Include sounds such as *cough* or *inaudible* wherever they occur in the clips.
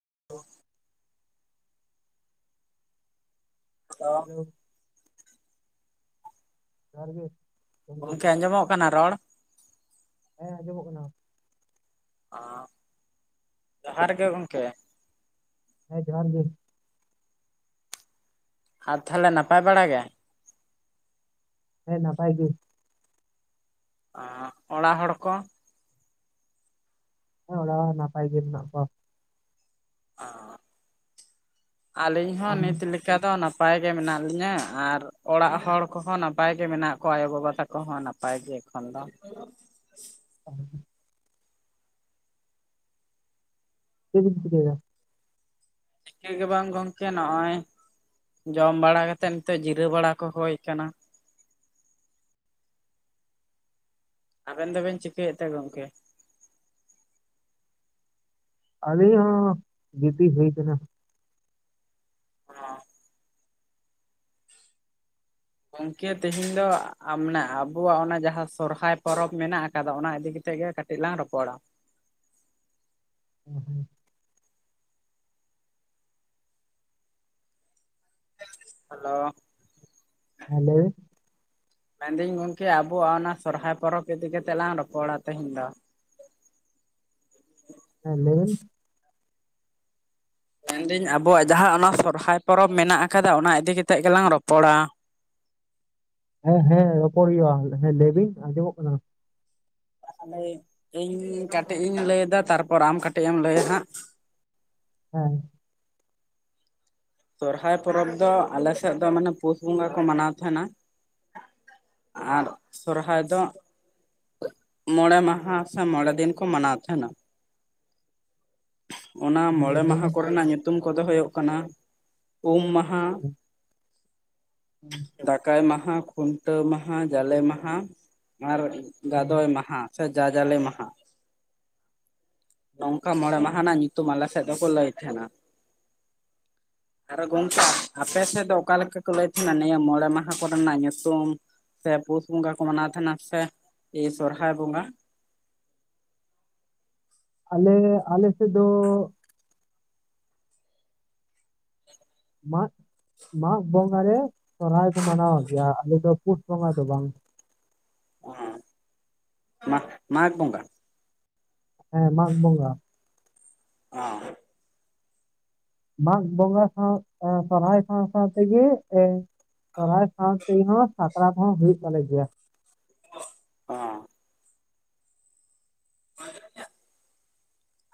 *inaudible* ᱟᱫᱚ *unintelligible* ᱦᱮᱞᱳ ᱡᱚᱦᱟᱨ ᱜᱮ ᱜᱚᱢᱠᱮ ᱜᱚᱝᱠᱮ ᱟᱸᱡᱚᱢᱚᱜ ᱠᱟᱱᱟ ᱨᱚᱲ ᱦᱮᱸ ᱟᱡᱸᱡᱚᱢᱚᱜ ᱠᱟᱱᱟ ᱚ ᱡᱚᱦᱟᱨ ᱜᱮ ᱜᱚᱢᱠᱮ ᱦᱮᱸ ᱡᱚᱦᱟᱨ ᱜᱮ ᱟᱨ ᱛᱟᱦᱚᱞᱮ ᱱᱟᱯᱟᱭ ᱵᱟᱲᱟ ᱜᱮ ᱦᱮᱸ ᱱᱟᱯᱟᱭ ᱜᱮ ᱚ ᱚᱲᱟᱜ ᱦᱚᱲ ᱠᱚ ᱚᱲᱟ ᱦᱚ ᱱᱟᱯᱟᱭ ᱜᱮ ᱠᱚ ᱚ ᱟᱹᱞᱤᱧ ᱦᱚᱸ ᱟᱢ ᱱᱤᱛ ᱞᱮᱠᱟ ᱪᱤᱠᱟᱹ ᱫᱚ ᱱᱟᱯᱟᱭ ᱜᱮ ᱢᱮᱱᱟᱜ ᱞᱤᱧᱟᱹ ᱟᱨ ᱚᱲᱟᱜ ᱦᱚᱲ ᱠᱚᱦᱚᱸ ᱱᱟᱯᱟᱭ ᱜᱮ ᱢᱮᱱᱟᱜ ᱠᱚᱣᱟ ᱟᱭᱳᱼ ᱵᱟᱵᱟ ᱛᱟᱠᱚ ᱦᱚᱸ ᱱᱟᱯᱟᱭ ᱜᱮ ᱮᱠᱷᱚᱱ ᱫᱚ *inaudible* ᱪᱮᱫ ᱵᱤᱱ ᱪᱤᱠᱟᱭ ᱫᱟ ᱪᱮᱫᱹ ᱜᱮ ᱵᱟᱝ ᱜᱚᱢᱠᱮ ᱱᱚᱜᱼᱚᱭ ᱡᱚᱢ ᱵᱟᱲᱟ ᱠᱟᱛᱮᱫ ᱱᱤᱛᱚᱜ ᱡᱤᱨᱟᱣ ᱵᱟᱲᱟ ᱠᱚ ᱦᱩᱭ ᱟᱠᱟᱱᱟ ᱟᱵᱮᱱ ᱫᱚᱵᱮᱱ ᱪᱤᱠᱟᱹᱭᱮᱫ ᱛᱮ ᱜᱚᱝᱠᱮ ᱟᱞᱤᱧ ᱦᱚᱸ ᱜᱤᱛᱤᱡ ᱦᱤᱭ ᱠᱟᱱᱟ ᱜᱚᱢᱠᱮ ᱛᱮᱦᱮᱧ ᱫᱚ ᱢᱟᱱᱮ ᱟᱵᱚᱣᱟᱜ ᱚᱱᱟ ᱡᱟᱦᱟᱸ ᱥᱚᱨᱦᱟᱭ ᱯᱚᱨᱚᱵᱽ ᱢᱮᱱᱟᱜ ᱟᱠᱟᱫᱟ ᱚᱱᱟ ᱤᱫᱤ ᱠᱟᱛᱮᱫ ᱜᱮ ᱠᱟᱹᱴᱤᱡ ᱠᱟᱴᱤ ᱞᱟᱝ ᱨᱚᱯᱚᱲ ᱟ *inaudible* ᱦᱮᱞᱳ ᱦᱮᱞᱳ ᱢᱮᱱᱫᱟᱹᱧ ᱜᱚᱝᱠᱮ ᱟᱵᱚᱣᱟᱜ ᱚᱱᱟ ᱥᱚᱨᱦᱟᱭ ᱯᱚᱨᱚᱵᱽ ᱤᱫᱤ ᱠᱟᱛᱮ ᱞᱟᱝ ᱨᱚᱯᱚᱲᱟ ᱛᱮᱦᱮᱧ ᱫᱚ ᱦᱮᱞᱳ ᱢᱮᱱᱫᱟᱹᱧ ᱟᱵᱚᱣᱟᱜ ᱡᱟᱦᱟᱸ ᱚᱱᱟ ᱥᱚᱨᱦᱟᱭ ᱯᱚᱨᱚᱵᱽ ᱢᱮᱱᱟᱜ ᱟᱠᱟᱫᱟ ᱚᱱᱟ ᱤᱫᱤ ᱠᱟᱛᱮ ᱜᱮᱞᱟᱝ ᱨᱚᱯᱚᱲᱟ ᱦᱮᱸ ᱦᱮᱸ ᱨᱚᱯᱚᱲ ᱦᱩᱭᱩᱜᱼᱟ ᱦᱮᱸ ᱞᱟᱹᱭ ᱵᱤᱱ ᱟᱸᱡᱚᱢᱚᱜ ᱠᱟᱱᱟ ᱤᱧ ᱠᱟᱹᱴᱤᱡ ᱤᱧ ᱞᱟᱹᱭᱮᱫᱟ ᱛᱟᱨᱯᱚᱨ ᱟᱢ ᱠᱟᱹᱴᱤᱡ ᱮᱢ ᱞᱟᱹᱭᱟ ᱠᱷᱟᱱ ᱦᱮᱸ ᱥᱚᱨᱦᱟᱭ ᱯᱚᱨᱚᱵᱽ ᱫᱚ ᱟᱞᱮ ᱥᱮᱫ ᱫᱚ ᱢᱟᱱᱮ ᱯᱩᱥ ᱵᱚᱸᱜᱟ ᱠᱚ ᱢᱟᱱᱟᱣ ᱛᱟᱦᱮᱱᱟ ᱟᱨ ᱥᱚᱨᱦᱟᱭ ᱫᱚ ᱢᱚᱬᱮ ᱢᱟᱦᱟ ᱥᱮ ᱢᱚᱬᱮ ᱫᱤᱱ ᱠᱚ ᱢᱟᱱᱟᱣ ᱛᱟᱦᱮᱱᱟ ᱚᱱᱟ ᱢᱚᱬᱮ ᱢᱟᱦᱟ ᱠᱚᱨᱮᱱᱟᱜ ᱧᱩᱛᱩᱢ ᱠᱚᱫᱚ ᱦᱩᱭᱩᱜ ᱠᱟᱱᱟ ᱩᱢ ᱢᱟᱦᱟ ᱦᱮᱸ ᱦᱩᱸ *inaudible* ᱫᱟᱠᱟᱭ ᱢᱟᱦᱟ ᱠᱷᱩᱱᱴᱟᱹᱣ ᱢᱟᱦᱟ ᱡᱟᱞᱮ ᱢᱟᱦᱟ ᱟᱨ ᱜᱟᱫᱚᱭ ᱢᱟᱦᱟ ᱥᱮ ᱡᱟ-ᱡᱟᱞᱮ ᱢᱟᱦᱟ ᱱᱚᱝᱠᱟ ᱢᱚᱬᱮ ᱢᱟᱦᱟ ᱱᱟᱜ ᱧᱩᱛᱩᱢ ᱟᱞᱮ ᱥᱮᱫ ᱫᱚᱠᱚ ᱞᱟᱹᱭ ᱛᱟᱦᱮᱱᱟ ᱟᱨᱚ ᱜᱚᱝᱠᱮ ᱟᱯᱮ ᱥᱮᱫ ᱫᱚ ᱚᱠᱟ ᱞᱮᱠᱟ ᱠᱚ ᱞᱟᱹᱭ ᱛᱟᱦᱮᱱᱟ ᱱᱤᱭᱟᱹ ᱢᱚᱬᱮ ᱢᱟᱦᱟ ᱠᱚᱨᱮᱱᱟᱜ ᱧᱩᱛᱩᱢ ᱥᱮ ᱯᱩᱥ ᱵᱚᱸᱜᱟ ᱠᱚ ᱢᱟᱱᱟᱣ ᱛᱟᱦᱮᱸᱱᱟ ᱥᱮ ᱮ ᱥᱚᱨᱦᱟᱭ ᱵᱚᱸᱜᱟ ᱟᱞᱮ ᱟᱞᱮᱮ. ᱥᱮᱫ ᱫᱚ ᱢᱟᱜᱽ ᱢᱟᱜᱽ ᱵᱚᱸᱜᱟ ᱨᱮ ᱥᱚᱨᱦᱹᱟᱭ ᱠᱚ ᱢᱟᱱᱟᱣ ᱜᱮᱭᱟ ᱟᱞᱮ ᱫᱚ ᱯᱩᱥ ᱵᱚᱸᱜᱟ ᱫᱚ ᱵᱟᱝ ᱢᱟ ᱢᱟᱜᱽ ᱵᱚᱸᱜᱟ ᱦᱮᱸ ᱢᱟᱜᱽ ᱵᱚᱸᱜᱟ ᱟᱸ ᱢᱟᱜᱽ ᱵᱚᱸᱜᱟ ᱥᱟᱶ ᱥᱚᱨᱦᱟᱭ ᱥᱟᱶ ᱥᱟᱶ ᱛᱮᱜᱮ ᱮ ᱥᱚᱨᱦᱟᱭ ᱥᱟᱶᱛᱮ ᱦᱚᱸ ᱥᱟᱠᱨᱟᱛ ᱦᱚᱸ ᱦᱩᱭᱩᱜ ᱛᱟᱞᱮ ᱜᱮᱭᱟ ᱦᱚᱸ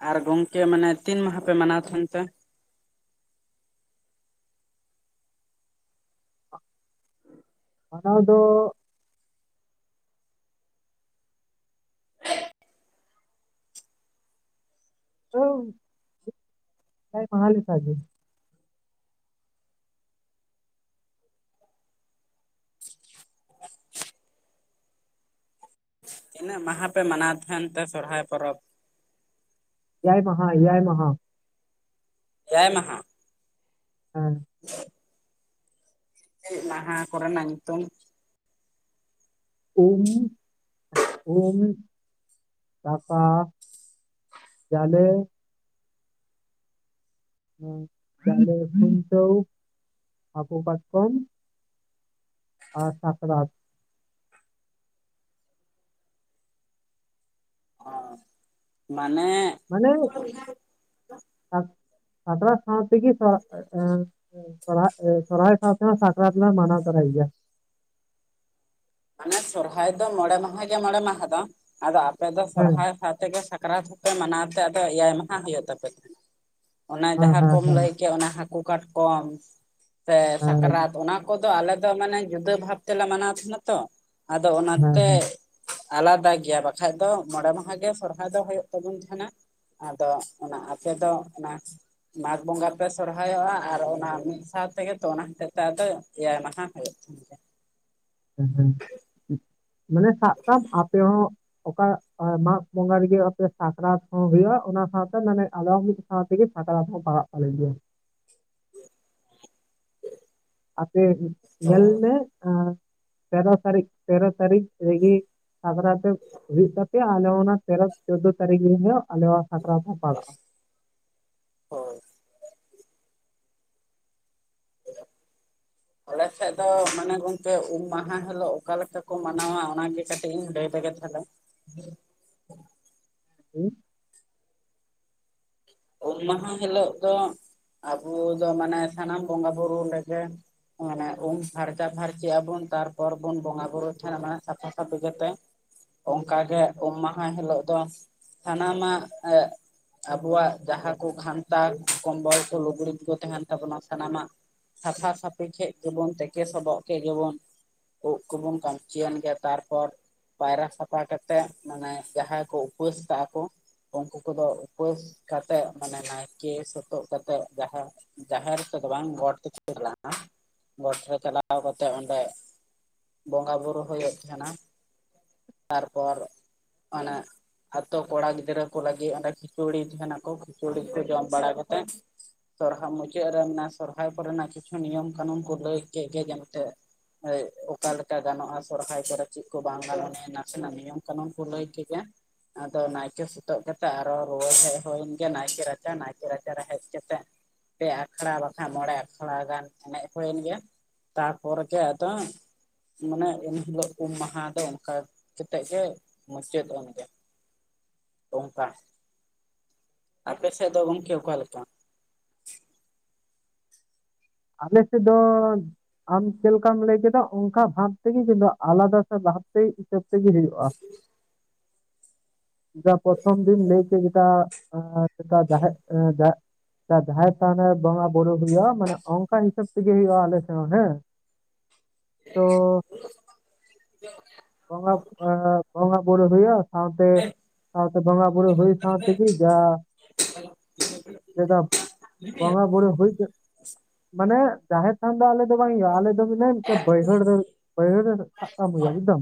ᱟᱨ ᱜᱚᱝᱠᱮ ᱢᱟᱱᱮ ᱛᱤᱱ ᱢᱟᱦᱟ ᱯᱮ ᱢᱟᱱᱟᱣ ᱛᱟᱦᱮᱱ ᱯᱮ ᱚᱱᱟ ᱫᱚ *unintelligible* ᱢᱟᱦᱟ ᱞᱮᱠᱟ ᱜᱮ ᱛᱤᱱᱟᱹᱜ ᱢᱟᱦᱟ ᱯᱮ ᱢᱟᱱᱟᱣ ᱛᱟᱦᱮᱱ ᱛᱮ ᱥᱚᱨᱦᱟᱭ ᱯᱚᱨᱚᱵᱽ ᱮᱭᱟᱭ ᱢᱟᱦᱟ ᱮᱭᱟᱭ ᱢᱟᱦᱟ ᱮᱭᱟᱭ ᱢᱟᱦᱟ ᱦᱮᱸ *inaudible* ᱪᱮᱫ ᱢᱟᱦᱟ ᱠᱚ ᱨᱮᱱᱟᱜ ᱧᱩᱛᱩᱢ ᱩᱢ, ᱩᱢ, ᱫᱟᱠᱟ᱾ ᱡᱟᱞᱮ ᱡᱟᱞᱮ, ᱠᱷᱩᱱᱴᱟᱹᱶ, ᱦᱟᱠᱩ ᱠᱟᱴᱠᱚᱢ ᱟᱨ ᱥᱟᱠᱨᱟᱛ ᱢᱟᱱᱮ ᱢᱟᱱᱮ ᱥᱟᱠᱨᱟᱛ ᱥᱟᱶ ᱛᱮᱜᱮ *unintelligible* ᱥᱚᱨᱦᱟᱭ ᱥᱟᱶᱛᱮ ᱦᱚᱸ ᱥᱟᱠᱨᱟᱛ ᱞᱮ ᱢᱟᱱᱟᱶ ᱛᱚᱨᱟᱭ ᱜᱮᱭᱟ ᱢᱟᱱᱮ ᱥᱚᱨᱦᱟᱭ ᱫᱚ ᱢᱚᱬᱮ ᱢᱟᱦᱟ ᱜᱮ ᱢᱚᱬᱮ ᱢᱟᱦᱟ ᱫᱚ ᱟᱫᱚ ᱟᱯᱮ ᱫᱚ ᱦᱮᱸ ᱥᱚᱨᱦᱟᱭ ᱥᱟᱶᱛᱮ ᱜᱮ ᱥᱟᱠᱨᱟᱛ ᱟᱯᱮ ᱢᱟᱱᱟᱣ ᱛᱮ ᱟᱫᱚ ᱮᱭᱟᱭ ᱢᱟᱦᱟ ᱦᱩᱭᱩᱜ ᱛᱟᱯᱮ ᱠᱟᱱᱟ ᱚᱱᱟ ᱦᱮᱸ ᱡᱟᱦᱟᱸ ᱦᱮᱸ ᱠᱚᱢ ᱦᱮᱸ ᱞᱟᱹᱭ ᱠᱮᱫ ᱚᱱᱟ ᱦᱟᱹᱠᱩ ᱠᱟᱴᱠᱚᱢ ᱥᱮ ᱦᱮᱸ ᱥᱟᱠᱨᱟᱛ ᱚᱱᱟ ᱠᱚ ᱠᱚᱫᱚ ᱟᱞᱮ ᱫᱚ ᱢᱟᱱᱮ ᱡᱩᱫᱟᱹ ᱵᱷᱟᱵ ᱛᱮᱞᱮ ᱢᱟᱱᱟᱣ ᱛᱟᱦᱮᱸᱱᱟ ᱛᱚ ᱟᱫᱚ ᱦᱮᱸ ᱚᱱᱟᱛᱮ ᱟᱞᱟᱫᱟ ᱜᱮᱭᱟ ᱵᱟᱠᱷᱟᱡ ᱫᱚ ᱢᱚᱬᱮ ᱢᱟᱦᱟ ᱜᱮ ᱥᱚᱨᱦᱟᱭ ᱫᱚ ᱦᱳᱭᱩᱜ ᱛᱟᱵᱚᱱ ᱛᱟᱦᱮᱱᱟ ᱟᱫᱚ ᱚᱱᱟ ᱟᱯᱮ ᱫᱚ ᱚᱱᱟ ᱢᱟᱜᱽ ᱵᱚᱸᱜᱟ ᱯᱮ ᱥᱚᱨᱦᱟᱭᱚᱜᱼᱟ ᱟᱨ ᱚᱱᱟ ᱢᱤᱫ ᱥᱟᱶ ᱛᱮᱜᱮ ᱛᱚ ᱚᱱᱟ ᱦᱚᱛᱮᱡ ᱛᱮ ᱟᱫᱚ ᱮᱭᱟᱭ ᱢᱟᱦᱟ ᱦᱳᱭᱩᱜ *inaudible* ᱦᱮᱸ ᱦᱮᱸ ᱢᱟᱱᱮ ᱥᱟᱵ ᱠᱟᱢ ᱟᱯᱮ ᱦᱚᱸ ᱚᱠᱟ ᱟᱨ ᱢᱟᱜᱽ ᱵᱚᱸᱜᱟ ᱨᱮᱜᱮ ᱟᱯᱮ ᱥᱟᱠᱨᱟᱛ ᱦᱚᱸ ᱦᱩᱭᱩᱜᱼᱟ ᱚᱱᱟ ᱥᱟᱶᱛᱮ ᱢᱟᱱᱮ ᱟᱫᱚ ᱢᱤᱫ ᱥᱟᱶᱛᱮ ᱜᱮ ᱥᱟᱠᱨᱟᱛ ᱦᱚᱸ ᱯᱟᱲᱟᱜᱼᱟ ᱵᱷᱟᱞᱮ ᱜᱮ ᱟᱯᱮ ᱧᱮᱞ ᱢᱮ ᱛᱮᱨᱚ ᱛᱟᱹᱨᱤᱠᱷ ᱛᱮᱨᱚ ᱛᱟᱹᱨᱤᱠᱷ ᱨᱮᱜᱮ ᱥᱟᱠᱨᱟᱛ ᱦᱩᱭᱩᱜ ᱛᱟᱯᱮᱭᱟ ᱟᱞᱮ ᱚᱱᱟ ᱛᱮᱨᱚ ᱪᱳᱫᱫᱳ ᱛᱟᱹᱨᱤᱠᱷ ᱨᱮ ᱦᱤᱞᱳᱜ ᱟᱞᱮ ᱦᱚᱸ ᱥᱟᱠᱨᱟᱛ ᱦᱚᱸ ᱯᱟᱲᱟᱜᱼᱟ ᱦᱳᱭ *inaudible* ᱟᱞᱮ ᱥᱮᱫ ᱫᱚ ᱢᱟᱱᱮ ᱜᱚᱝᱠᱮ ᱩᱢ ᱢᱟᱦᱟ ᱦᱤᱞᱚᱜ ᱚᱠᱟ ᱞᱮᱠᱟ ᱠᱚ ᱢᱟᱱᱟᱣᱟ ᱚᱱᱟᱜᱮ ᱠᱟᱴᱤᱡ ᱤᱧ ᱞᱟᱹᱭ ᱞᱮᱜᱮ ᱛᱟᱦᱞᱮ ᱦᱩᱸ ᱩᱢ ᱢᱟᱦᱟ ᱦᱤᱞᱳᱜ ᱫᱚ ᱟᱵᱚ ᱫᱚ ᱢᱟᱱᱮ ᱥᱟᱱᱟᱢ ᱵᱚᱸᱜᱟ ᱵᱩᱨᱩ ᱞᱟᱹᱜᱤᱱ ᱢᱟᱱᱮ ᱩᱢ ᱯᱷᱟᱨᱪᱟ ᱯᱷᱟᱨᱪᱤᱜ ᱟᱵᱩᱱ ᱛᱟᱨᱯᱚᱨ ᱵᱚᱱ ᱵᱚᱸᱜᱟ ᱵᱩᱨᱩᱭ ᱴᱷᱮᱱ ᱦᱟᱸᱜ ᱢᱟᱱᱮ ᱥᱟᱯᱷᱟ ᱥᱟᱹᱯᱷᱤ ᱠᱟᱛᱮᱜ ᱚᱱᱠᱟ ᱜᱮ ᱩᱢ ᱢᱟᱦᱟ ᱦᱤᱞᱳᱜ ᱫᱚ ᱥᱟᱱᱟᱢᱟᱜ ᱟᱵᱚᱣᱟᱜ ᱡᱟᱦᱟᱸ ᱠᱚ ᱠᱷᱟᱱᱛᱟ ᱠᱚᱢᱵᱚᱞ ᱠᱚ ᱞᱩᱜᱽᱲᱤᱡ ᱠᱚ ᱛᱟᱦᱮᱱ ᱛᱟᱵᱚᱱᱟ ᱥᱟᱱᱟᱢᱟᱜ ᱥᱟᱯᱷᱟ ᱥᱟᱯᱷᱤ ᱠᱮᱫ ᱜᱮᱵᱚᱱ ᱛᱮᱠᱮ ᱥᱚᱵᱚᱜ ᱠᱮᱫ ᱜᱮᱵᱚᱱ ᱩᱜ ᱠᱚᱵᱚᱱ ᱠᱟᱹᱢᱪᱤᱭᱮᱱ ᱜᱮ ᱛᱟᱨᱯᱚᱨ ᱯᱟᱭᱨᱟ ᱥᱟᱯᱷᱟ ᱠᱟᱛᱮᱜ ᱢᱟᱱᱮ ᱡᱟᱦᱟᱸᱭ ᱠᱚ ᱩᱯᱟᱹᱥ ᱠᱟᱜᱼᱟ ᱠᱚ ᱩᱝᱠᱩ ᱠᱚᱫᱚ ᱩᱯᱟᱹᱥ ᱠᱟᱛᱮᱜ ᱢᱟᱱᱮ ᱱᱟᱭᱠᱮ ᱥᱳᱛᱳᱜ ᱠᱟᱛᱮᱜ ᱡᱟᱦᱟᱸ ᱡᱟᱦᱮᱨ ᱛᱮ ᱫᱚ ᱵᱟᱝ ᱜᱚᱴ ᱛᱮᱠᱚ ᱪᱟᱞᱟᱜᱼᱟ ᱜᱚᱴ ᱨᱮ ᱪᱟᱞᱟᱣ ᱠᱟᱛᱮᱜ ᱚᱸᱰᱮ ᱵᱚᱸᱜᱟ ᱵᱩᱨᱩ ᱦᱩᱭᱩᱜ ᱛᱟᱦᱮᱱᱟ ᱛᱟᱨᱯᱚᱨ ᱮ ᱟᱛᱳ ᱠᱚᱲᱟ ᱜᱤᱫᱽᱨᱟᱹ ᱠᱚ ᱞᱟᱹᱜᱤᱫ ᱚᱸᱰᱮ ᱠᱷᱤᱪᱩᱲᱤ ᱡᱟᱦᱟᱱᱟᱜ ᱠᱷᱤᱪᱩᱲᱤ ᱠᱚ ᱡᱚᱢ ᱵᱟᱲᱟ ᱠᱟᱛᱮᱜ ᱛᱚ ᱦᱟᱸᱜ ᱢᱩᱪᱟᱹᱫ ᱨᱮ ᱥᱚᱨᱦᱟᱭ ᱠᱚ ᱨᱮᱱᱟᱜ ᱠᱤᱪᱷᱩ ᱱᱤᱭᱚᱢ ᱠᱟᱹᱱᱩᱱ ᱠᱚ ᱞᱟᱹᱭ ᱠᱮᱫ ᱜᱮ ᱡᱮᱢ *unintelligible* ᱦᱳᱭ ᱚᱠᱟ ᱞᱮᱠᱟ ᱜᱟᱱᱚᱜᱼᱟ ᱥᱚᱨᱦᱟᱭ ᱠᱚᱨᱮ ᱪᱤᱫ ᱠᱚ ᱵᱟᱝ ᱜᱟᱱᱚᱜ ᱟ ᱱᱟᱥᱮᱱᱟᱜ ᱱᱤᱭᱚᱢ ᱠᱟᱹᱱᱩᱱ ᱠᱚ ᱞᱟᱹᱭ ᱠᱮᱫ ᱜᱮ ᱟᱫᱚ ᱱᱟᱭᱠᱮ ᱥᱳᱛᱳᱜ ᱠᱟᱛᱮᱜ ᱟᱨᱚ ᱨᱩᱣᱟᱹᱲ ᱦᱮᱡ ᱦᱳᱭ ᱱᱟᱭᱠᱮ ᱨᱟᱪᱟ ᱱᱟᱭᱠᱮ ᱨᱟᱪᱟ ᱨᱮ ᱦᱮᱡ ᱠᱟᱛᱮᱜ ᱯᱮ ᱟᱠᱷᱲᱟ ᱵᱟᱠᱷᱟᱡ ᱢᱚᱬᱮ ᱟᱠᱷᱲᱟ ᱜᱟᱱ ᱮᱱᱮᱡ ᱦᱩᱭᱮᱱ ᱜᱮ ᱾ ᱛᱟᱨᱯᱚᱨ ᱪᱮᱫ ᱟᱫᱚ ᱢᱟᱱᱮ ᱩᱱ ᱦᱤᱞᱳᱜ ᱩᱢ ᱢᱟᱦᱟ ᱫᱚ ᱚᱱᱠᱟ ᱠᱟᱛᱮᱜ ᱜᱮ ᱢᱩᱪᱟᱹᱫ ᱮᱱ ᱜᱮ ᱚᱱᱠᱟ ᱟᱯᱮ ᱥᱮᱫ ᱫᱚ ᱜᱟᱢᱠᱮ ᱚᱠᱟ ᱞᱮᱠᱟ? ᱟᱞᱮ ᱥᱮᱫ ᱫᱚ ᱟᱢ ᱪᱮᱫ ᱞᱮᱠᱟᱢ ᱞᱟᱹᱭ ᱠᱮᱫᱟ ᱚᱱᱠᱟ ᱵᱷᱟᱵᱽ ᱛᱮᱜᱮ ᱠᱤᱱᱛᱩ ᱟᱞᱟᱫᱟ ᱦᱤᱥᱟᱹᱵ ᱛᱮᱜᱮ ᱦᱩᱭᱩᱜᱼᱟ *inaudible* ᱡᱟ ᱯᱨᱚᱛᱷᱚᱢ ᱵᱤᱱ ᱞᱟᱹᱭ ᱠᱮᱫ ᱞᱮᱠᱟ ᱡᱟᱦᱮᱜ ᱡᱟᱦᱮᱨ ᱛᱟ ᱡᱟᱦᱟᱸᱭ ᱥᱟᱣ ᱱᱮ, ᱵᱚᱸᱜᱟ ᱵᱩᱨᱩ ᱦᱳᱭᱩᱼᱟ, ᱢᱟᱱᱮ ᱚᱝᱠᱟ ᱦᱤᱥᱟᱹᱵᱽ ᱛᱮᱜᱮ ᱦᱩᱭᱩᱜᱼᱟ ᱟᱞᱮ ᱥᱮᱱ ᱦᱮᱸ ᱛᱚ *inaudible* ᱵᱚᱸᱜᱟ ᱮ ᱵᱚᱸᱜᱟ ᱵᱩᱨᱩ ᱦᱳᱭᱳᱼᱟ᱾ ᱥᱟᱶᱛᱮ ᱟᱛᱮ ᱵᱚᱸᱜᱟ ᱵᱩᱨᱩ ᱦᱩᱭ ᱥᱟᱶ ᱛᱮ ᱜᱤ ᱡᱟᱦᱟᱸ ᱡᱮᱫᱟ ᱵᱚᱝᱜᱟ ᱵᱚᱲ ᱦᱩᱭᱛᱮ ᱢᱟᱱᱮ ᱡᱟᱦᱮᱨ ᱛᱷᱟᱱ ᱫᱚ ᱟᱞᱮ ᱫᱚ ᱵᱟᱝ ᱦᱩᱭᱩᱜᱼᱟ ᱟᱞᱮ ᱫᱚ ᱢᱮᱱᱟ ᱵᱟᱹᱭᱦᱟᱹᱲ ᱫᱚ ᱵᱟᱹᱭᱦᱟᱹᱲ ᱨᱮ ᱥᱟᱵ ᱠᱟᱢ ᱦᱳᱭᱩ-ᱟ ᱵᱩᱡᱫᱟᱢ᱾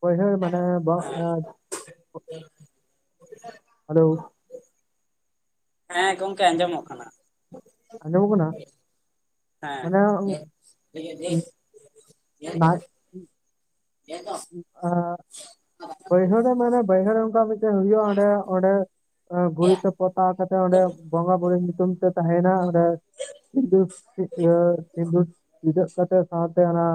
ᱯᱟᱹᱭᱦᱟᱹᱲ ᱢᱟᱱᱮ ᱵᱟ. ᱜ *inaudible* ᱦᱟᱞᱳ ᱦᱮᱸ ᱜᱚᱢᱠᱮ ᱟᱸᱡᱚᱢᱼᱚᱜ ᱠᱟᱱᱟ᱾ ᱟᱸᱡᱚᱢᱼᱚᱜ ᱠᱟᱱᱟ ᱢᱟᱱᱮ ᱦᱮᱸ *unintelligible* *unintelligible* ᱵᱟᱹᱭᱦᱟᱹᱲ ᱨᱮ ᱢᱟᱱᱮ ᱵᱟᱹᱭᱦᱟᱹᱲ ᱚᱱᱠᱟ ᱢᱤᱫᱴᱮᱡ ᱦᱩᱭᱩᱜᱼᱟ ᱚᱸᱰᱮ ᱚᱸᱰᱮ ᱜᱷᱩᱨᱤᱡ ᱛᱮ ᱯᱚᱛᱟᱣ ᱠᱟᱛᱮᱜ ᱚᱸᱰᱮ ᱵᱚᱸᱜᱟ ᱵᱩᱨᱩ ᱧᱩᱛᱩᱢ ᱛᱮ ᱛᱟᱦᱮᱱᱟ ᱚᱸᱰᱮ ᱥᱤᱸᱫᱩᱨ ᱤᱭᱟᱹ ᱥᱤᱸᱫᱩᱨ ᱴᱤᱫᱟᱹᱜ ᱠᱟᱛᱮ ᱥᱟᱶᱛᱮ ᱚᱱᱟ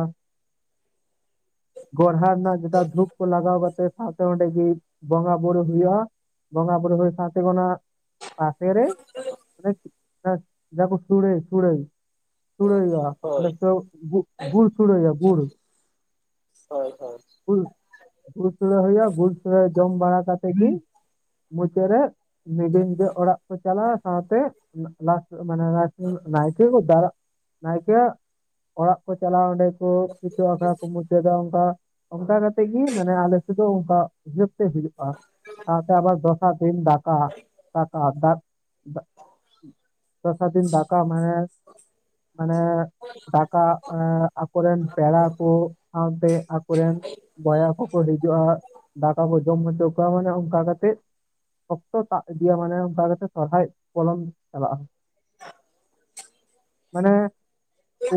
ᱜᱚᱲᱦᱟ ᱨᱮᱱᱟᱜ ᱡᱮᱴᱟ ᱫᱷᱩᱯ ᱠᱚ ᱞᱟᱜᱟᱣ ᱠᱟᱛ ᱟᱯᱮ ᱥᱟᱶᱛᱮ ᱚᱸᱰᱮᱜᱤ ᱵᱚᱸᱜᱟ ᱵᱩᱨᱩ ᱦᱩᱭᱩᱜᱼᱟ ᱵᱚᱸᱜᱟ ᱵᱩᱨᱩ ᱦᱩᱭᱩᱜ ᱥᱟᱶᱛᱮ ᱚᱱᱟ ᱯᱟᱥᱮ ᱨᱮ ᱡᱟᱦᱟᱸ ᱠᱩ ᱥᱩᱲᱟᱹᱭ ᱥᱩᱲᱟᱹᱭ ᱥᱩᱲᱟᱹᱭ ᱟ ᱦᱳᱭ ᱟᱫᱚ ᱠᱚ ᱜᱩᱲ ᱥᱩᱲᱟᱹᱭᱟ ᱜᱩᱲ ᱦᱳᱭ ᱦᱳᱭ ᱜᱩᱲ ᱥᱩᱲᱟᱹ ᱦᱩᱭᱩᱜᱼᱟ ᱜᱩᱲ ᱥᱩᱲᱟᱹ ᱡᱚᱢ ᱵᱟᱲᱟ ᱠᱟᱛᱮ ᱜᱤ ᱢᱩᱪᱟᱹᱫ ᱨᱮ ᱱᱤᱡᱮ ᱱᱤᱡᱮ ᱚᱲᱟᱜ ᱠᱚ ᱪᱟᱞᱟᱜᱼᱟ ᱥᱟᱶᱛᱮ ᱟᱥ ᱢᱟᱱᱮ *inaudible* ᱱᱟᱭᱠᱮ ᱠᱚ ᱫᱟᱨᱟ ᱱᱟᱭᱠᱮ ᱚᱲᱟᱜ ᱠᱚ ᱪᱟᱞᱟᱣ ᱚᱸᱰᱮᱠᱩ ᱠᱤᱪᱷᱩ ᱟᱠᱷᱲᱟ ᱠᱚ ᱢᱩᱪ *inaudible* ᱚᱱᱠᱟ ᱚᱱᱠᱟ ᱠᱟᱛᱮ ᱜᱮ ᱢᱟᱱᱮ ᱟᱞᱮ ᱥᱮᱫ ᱫᱚ ᱚᱱᱠᱟ ᱦᱩᱭᱩᱜᱼᱟ ᱥᱟᱶᱛᱮ ᱟᱵᱟᱨ ᱫᱚᱥᱟᱨ ᱫᱤᱱ ᱫᱟᱠᱟ ᱫᱟᱠᱟ ᱫᱟᱼᱼ ᱫᱚᱥᱟᱨ ᱫᱤᱱ ᱫᱟᱠᱟ ᱢᱟᱱᱮ ᱢᱟᱱᱮ ᱫᱟᱠᱟ ᱟᱠᱚᱨᱮᱱ ᱯᱮᱲᱟ ᱠᱚ ᱥᱟᱶᱛᱮ ᱟᱠᱚᱨᱮᱱ ᱵᱚᱭᱦᱟ ᱠᱚ ᱦᱤᱡᱩᱜᱼᱟ ᱫᱟᱠᱟ ᱠᱚ ᱡᱚᱢ ᱦᱚᱪᱚ ᱠᱚᱣᱟ ᱢᱟᱱᱮ ᱚᱱᱠᱟ ᱠᱟᱛᱮᱫ ᱚᱠᱛᱚ ᱴᱟᱜ ᱤᱫᱤᱭᱟ ᱢᱟᱱᱮ ᱚᱱᱠᱟ ᱠᱟᱛᱮᱜ ᱥᱚᱨᱦᱟᱭ ᱯᱚᱞᱚᱢ ᱪᱟᱞᱟᱜᱼᱟ᱾ ᱢᱟᱱᱮ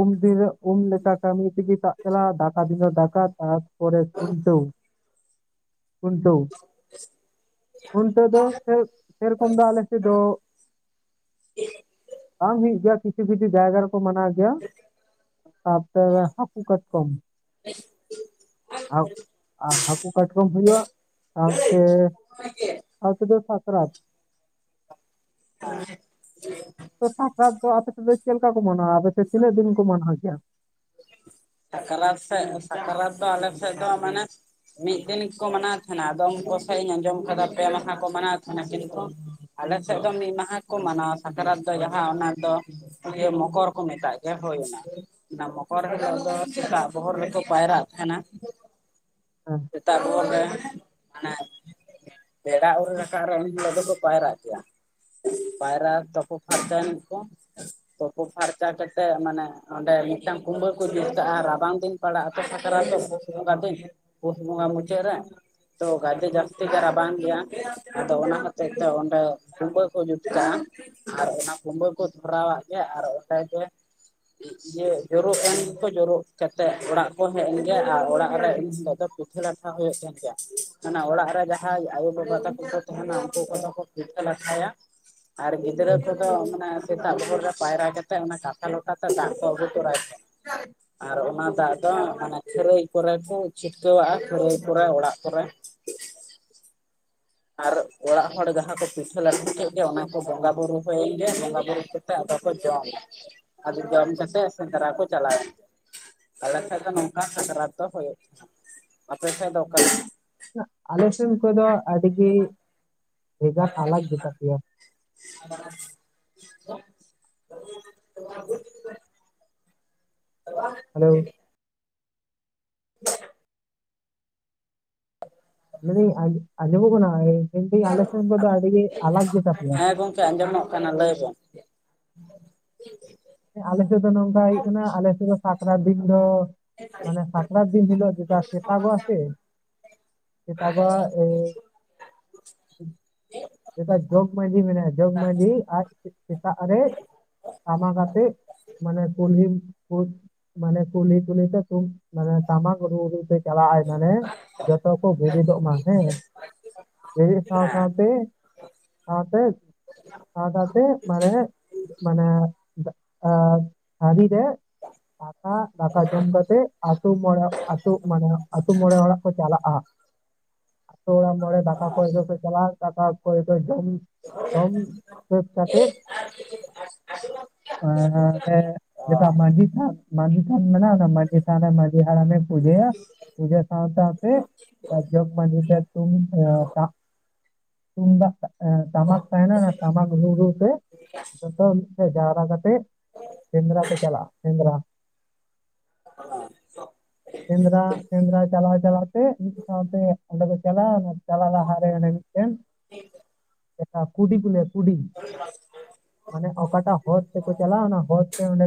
ᱩᱢ ᱫᱤᱱ ᱩᱢ ᱞᱮᱠᱟ ᱠᱟᱹᱢᱤ ᱛᱮᱜᱮ ᱛᱟᱜ ᱪᱟᱞᱟᱜᱼᱟ ᱫᱟᱠᱟ ᱫᱤᱱ ᱫᱟᱠᱟ ᱛᱟᱨᱯᱚᱨᱮ ᱠᱷᱩᱱᱴᱟᱹᱣ ᱠᱷᱩᱱᱴᱟᱹᱣ ᱠᱷᱩᱱᱴᱟᱹᱣ ᱫᱚ ᱥᱮ ᱥᱮᱨᱚᱠᱚᱢ ᱫᱚ ᱟᱞᱮ ᱥᱮᱫ ᱫᱚ ᱵᱟᱝ ᱦᱩᱭᱩᱜ ᱜᱮᱭᱟ ᱠᱤᱪᱷᱩ ᱠᱤᱪᱷᱩ ᱡᱟᱭᱜᱟ ᱨᱮ ᱠᱚ ᱢᱟᱱᱟᱣ ᱜᱮᱭᱟ ᱛᱟᱨᱯᱚᱨᱮ ᱦᱟᱹᱠᱩ ᱠᱟᱴᱠᱚᱢ ᱟᱨ ᱟᱨ ᱦᱟᱹᱠᱩ ᱠᱟᱴᱠᱚᱢ ᱦᱩᱭᱩᱜᱼᱟ ᱥᱟᱶᱛᱮ ᱥᱟᱶ ᱛᱮᱫ ᱥᱟᱠᱨᱟᱛ ᱟᱨ ᱛᱚ ᱥᱟᱠᱨᱟᱛ ᱫᱚ ᱟᱯᱮ ᱥᱮᱫ ᱫᱚ ᱪᱮᱫ ᱞᱮᱠᱟ ᱠᱚ ᱢᱟᱱᱟᱣᱟ ᱟᱯᱮ ᱥᱮᱫ ᱛᱤᱱᱟᱹᱜ ᱫᱤᱱ ᱠᱚ ᱢᱟᱱᱟᱣ ᱜᱮᱭᱟ ᱥᱟᱠᱨᱟᱛ ᱥᱮᱫ ᱥᱟᱠᱨᱟᱛ ᱫᱚ ᱟᱞᱮ ᱥᱮᱫ ᱫᱚ ᱢᱟᱱᱮ ᱢᱤᱫ ᱫᱤᱱ ᱜᱮᱠᱚ ᱢᱟᱱᱟᱣ ᱛᱟᱦᱮᱱᱟ ᱟᱫᱚ ᱩᱱᱠᱩ ᱥᱮᱫ ᱤᱧ ᱟᱸᱡᱚᱢ ᱠᱟᱫᱟ ᱯᱮ ᱢᱟᱦᱟ ᱠᱚ ᱢᱟᱱᱟᱣ ᱛᱟᱦᱮᱱᱟ ᱠᱤᱱᱛᱩ ᱟᱞᱮᱥᱮᱫ ᱫᱚ ᱢᱤᱫ ᱢᱟᱦᱟ ᱠᱚ ᱢᱟᱱᱟᱣᱟ ᱥᱟᱠᱨᱟᱛ ᱫᱚ ᱡᱟᱦᱟᱸ ᱚᱱᱟ ᱫᱚ ᱤᱭᱟᱹ ᱢᱚᱠᱚᱨ ᱠᱚ ᱢᱮᱛᱟᱜ ᱜᱮᱭᱟ ᱦᱳᱭᱱᱟ ᱚᱱᱟ ᱢᱚᱠᱚᱨ ᱨᱮᱫᱚ ᱛᱚ ᱥᱮᱛᱟᱜ ᱵᱚᱦᱚᱨ ᱨᱮᱠᱚ ᱯᱟᱭᱨᱟᱜ ᱠᱟᱱᱟ᱾ *inaudible* *unintelligible* ᱛᱟᱨᱯᱚᱨᱮ ᱢᱟᱱᱮ ᱵᱮᱲᱟ ᱟᱶᱨᱤ ᱨᱟᱠᱟᱵ ᱨᱮ ᱩᱱ ᱫᱚᱠᱚ ᱯᱟᱭᱨᱟᱜ ᱜᱮᱭᱟ᱾ *unintelligible* ᱯᱟᱭᱨᱟ ᱛᱚᱠᱚ ᱯᱷᱟᱨᱪᱟᱭᱮᱱ ᱠᱚ ᱛᱩᱯᱚ ᱯᱷᱟᱨᱪᱟ ᱠᱟᱛᱮᱜ ᱢᱟᱱᱮ ᱚᱸᱰᱮ ᱢᱤᱫᱴᱟᱝ ᱠᱩᱢᱵᱟᱹ ᱠᱚ ᱵᱮ ᱪ ᱟᱨ ᱨᱟᱵᱟᱝ ᱫᱤᱱ ᱯᱟᱲᱟᱜ-ᱟ ᱥᱮ ᱥᱟᱠᱨᱟᱛ ᱫᱚ ᱯᱩᱥ ᱵᱚᱸᱜᱟ ᱫᱤᱱ ᱯᱩᱥ ᱵᱚᱸᱜᱟ ᱢᱩᱪᱟᱹᱫ ᱨᱮ᱾ ᱛᱚ ᱜᱟᱡᱮ ᱡᱟᱹᱥᱛᱤ ᱜᱮ ᱨᱟᱵᱟᱝ ᱜᱮᱭᱟ ᱟᱫᱚ ᱚᱱᱟ ᱦᱚᱛᱮᱡ ᱛᱮ ᱚᱸᱰᱮ ᱠᱩᱵᱟᱹ ᱠᱚ ᱡᱩᱛ ᱠᱟᱜ-ᱟ᱾ ᱟᱨ ᱚᱱᱟ ᱠᱩᱢᱵᱟᱹ ᱠᱚ ᱫᱷᱚᱨᱟᱣᱟᱜ ᱜᱮᱭᱟ ᱟᱨ ᱚᱱᱠᱟ ᱜᱮ ᱤᱭᱟᱹ ᱡᱚᱨᱚᱜ ᱮᱱ ᱠᱚ ᱡᱳᱨᱳᱜ ᱠᱟᱛᱮᱫ ᱚᱲᱟᱜ ᱠᱚ ᱦᱮᱡ ᱮᱱ ᱜᱮᱭᱟ ᱟᱨ ᱚᱲᱟᱜ ᱨᱮ ᱤᱱ ᱦᱤᱞᱳᱜ ᱫᱚ ᱯᱤᱴᱷᱟᱹ ᱞᱟᱴᱷᱟ ᱦᱩᱭᱩᱜ ᱠᱟᱱ ᱜᱮᱭᱟ ᱢᱟᱱᱮ ᱚᱲᱟᱜ ᱨᱮ ᱡᱟᱦᱟᱸᱭ ᱟᱭᱳᱼᱵᱟᱵᱟ ᱛᱟᱠᱚ ᱠᱚ ᱛᱟᱦᱮᱱᱟ ᱩᱱᱠᱩ ᱠᱚᱫᱚ ᱠᱚ ᱯᱤᱴᱷᱟᱹ ᱞᱟᱴᱷᱟᱭᱟ᱾ ᱟᱨ ᱜᱤᱫᱽᱨᱟᱹ ᱦᱮᱸ ᱠᱚᱫᱚ ᱢᱟᱱᱮ ᱥᱮᱛᱟᱜ ᱵᱷᱳᱨ ᱨᱮ ᱯᱟᱭᱨᱟ ᱠᱟᱛᱮᱫ ᱚᱱᱟ ᱠᱟᱥᱟ ᱞᱚᱴᱟᱛᱮ ᱫᱟᱜ ᱠᱚ ᱟᱹᱜᱩ ᱛᱚᱨᱟᱭ ᱠᱚ ᱟᱨ ᱚᱱᱟ ᱫᱟᱜ ᱫᱚ ᱢᱟᱱᱮ ᱠᱷᱟᱹᱨᱟᱹᱭ ᱠᱚᱨᱮ ᱠᱚ ᱪᱷᱤᱴᱠᱟᱹᱣᱟᱜ-ᱟ ᱠᱷᱟᱹᱨᱟᱹᱭ ᱠᱚᱨᱮ ᱚᱲᱟᱜ ᱠᱚᱨᱮ ᱟᱨ ᱚᱲᱟᱜ ᱦᱚᱲ ᱡᱟᱦᱟᱸ ᱠᱚ ᱯᱤᱴᱷᱟᱹ ᱞᱟᱹᱴᱷᱟ ᱠᱮᱫ ᱜᱮ ᱚᱱᱟ ᱠᱚ ᱵᱚᱸᱜᱟ ᱵᱩᱨᱩ ᱦᱩᱭ ᱮᱱ ᱜᱮ ᱵᱚᱸᱜᱟ ᱵᱩᱨᱩ ᱠᱟᱛᱮ ᱟᱫᱚ ᱠᱚ ᱡᱚᱢᱟ ᱟᱫᱚ ᱡᱚᱢ ᱠᱟᱛᱮᱫ ᱥᱮᱸᱫᱽᱨᱟ ᱠᱚ ᱪᱟᱞᱟᱣ-ᱟ᱾ ᱟᱞᱮ ᱥᱮᱡ ᱫᱚ ᱱᱚᱝᱠᱟ ᱥᱟᱠᱨᱟᱛ ᱫᱚ ᱦᱩᱭᱩᱜ ᱠᱟᱱᱟ ᱟᱯᱮ ᱥᱮᱡ ᱫᱚ ᱚᱠᱟ ᱞᱮᱠᱟ᱾ ᱟᱞᱮ ᱥᱮᱱ ᱠᱚᱫᱚ ᱟᱹᱰᱤ ᱜᱮ ᱵᱷᱮᱜᱟᱨ ᱟᱞᱟᱠ ᱜᱮᱛᱟ ᱯᱮᱭᱟ᱾ *unintelligible* ᱦᱮᱞᱳ *inaudible* *unintelligible* ᱞᱟᱹᱭ ᱫᱤᱧ ᱟᱡᱚᱢ ᱚᱜ ᱠᱟᱱᱟ ᱟᱞᱥᱮᱱ ᱟᱹᱰᱤ ᱜᱮ ᱟᱞᱟᱠ ᱜᱮᱛᱟ ᱯᱮ ᱦᱮᱸ ᱜᱚᱝᱠᱮ ᱟᱸᱡᱚᱢᱚᱜ ᱠᱟᱱᱟ ᱞᱟᱹᱭ ᱵᱮᱱ *unintelligible* ᱦᱮᱸ ᱟᱞᱮ ᱥᱮᱫ ᱫᱚ ᱱᱚᱝᱠᱟ ᱦᱩᱭᱩᱜ ᱠᱟᱱᱟ ᱟᱞᱮ ᱥᱮᱫ ᱫᱚ ᱥᱟᱠᱨᱟᱛ ᱫᱤᱱ ᱫᱚ ᱢᱟᱱᱮ ᱥᱟᱠᱟᱨᱟᱛ ᱫᱤᱱ ᱦᱤᱞᱚᱜ ᱫᱚᱥᱟᱨ ᱥᱮᱛᱟᱜᱚ-ᱟ ᱥᱮ ᱮᱴᱟᱜᱟᱜ ᱮ ᱡᱚᱜᱽ ᱢᱟᱹᱡᱰᱤ ᱢᱮᱱᱟᱜᱼᱟ ᱡᱚᱜᱽ ᱢᱟᱹᱡᱷᱤ ᱟᱡ ᱥᱮᱛᱟᱜ ᱨᱮ ᱴᱟᱢᱟ ᱠᱟᱛᱮᱫ ᱢᱟᱱᱮ ᱠᱩᱞᱦᱤᱢ ᱠᱚ ᱢᱟᱱᱮ ᱠᱩᱞᱦᱤ ᱠᱩᱞᱦᱤ ᱛᱮ ᱢᱟᱱᱮ ᱴᱟᱢᱟᱠ ᱨᱩ ᱥᱮ ᱪᱟᱞᱟᱜ ᱟᱭ ᱢᱟᱱᱮ ᱡᱚᱛᱚ ᱠᱚ ᱵᱮᱨᱮᱫᱚᱜ ᱢᱟ ᱦᱮᱸ ᱵᱮᱨᱮᱫ ᱥᱟᱶ ᱦᱮᱸ ᱥᱟᱶᱛᱮ *unintelligible* ᱥᱟᱶᱛᱮ ᱟᱨ ᱥᱟᱶᱛᱮ ᱵᱟᱦᱨᱮ ᱨᱮ ᱢᱟᱱᱮ ᱟ ᱟᱹᱰᱤ ᱡᱮ ᱫᱟᱠᱟ ᱫᱟᱠᱟ ᱡᱚᱢ ᱠᱟᱛᱮᱜ ᱟᱹᱛᱩ ᱢᱚᱬᱮ ᱟᱹᱛᱩ ᱢᱟᱱᱮ ᱟ ᱟᱹᱛᱩ ᱢᱚᱬᱮ ᱚᱲᱟᱜ ᱠᱚ ᱪᱟᱞᱟᱜᱼᱟ *inaudible* ᱢ ᱚ ᱰᱠᱟ ᱠᱚ ᱥᱮ ᱪᱟᱞᱞᱟ ᱰᱠᱟ ᱠᱚ ᱛ ᱡᱚᱢ ᱡᱚᱢ ᱦᱚᱭ ᱠᱟᱛᱮ ᱚᱦᱚ, ᱟᱫᱚ ᱚ ᱚᱱᱟ ᱢᱟᱺᱡᱷᱤ ᱛᱷᱟᱱ ᱢᱟᱱᱡᱷᱤ ᱛᱷᱟᱱ ᱢᱮᱱᱟᱜᱼᱟ ᱟᱫᱚ ᱢᱟᱺᱡᱷᱤ ᱛᱷᱟᱱ ᱨᱮ ᱢᱟᱸᱡᱷᱤ ᱦᱟᱲᱟᱢ ᱮ.. ᱯᱩᱡᱟᱹᱭᱟ ᱯᱩᱡᱟᱹ ᱥᱟᱶ ᱥᱟᱶᱛᱮ ᱡᱚᱜ ᱢᱟᱹᱱ ᱨᱮᱭᱟᱜ ᱛᱟᱢ ᱛᱟᱢ *unintelligible* ᱢᱟᱢᱟᱠ ᱛᱟᱦᱮᱸᱟᱭᱱᱟ ᱴᱟᱢᱟᱠ ᱨᱩ ᱨᱩ ᱛᱮ ᱡᱚᱛᱚ ᱥᱮ ᱡᱟᱣᱨᱟ ᱠᱟᱛᱮ ᱥᱮᱸᱫᱽᱨᱟ ᱠᱚ ᱪᱟᱞᱟᱜ ᱥᱮᱸᱫᱽᱨᱟ *unintelligible* ᱥᱮᱸᱫᱽᱨᱟ ᱥᱮᱸᱫᱽᱨᱟ ᱪᱟᱞᱟᱣ ᱪᱞᱟᱣᱛᱮ ᱢᱤᱫ ᱥᱟᱶᱛᱮ ᱠᱚ ᱪᱟᱞᱟᱣᱮᱱᱟ ᱪᱟᱞᱟᱣ ᱞᱟᱦᱟᱨᱮ ᱚᱱᱮ ᱢᱤᱫ ᱴᱮᱱ ᱠᱩᱰᱤ ᱠᱚ ᱞᱟᱹᱭᱟ ᱠᱩᱰᱤ *unintelligible* ᱢᱟᱱᱮ ᱚᱠᱟᱴᱟᱜ ᱦᱚᱨᱛᱮ ᱠᱚ ᱪᱟᱞᱟᱜᱼᱟ ᱚᱱᱟ ᱦᱚᱨᱛᱮ ᱴᱟᱱᱮ